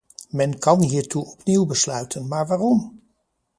Men kan hiertoe opnieuw besluiten, maar waarom?